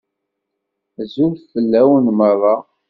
Azul fell-awen meṛṛa.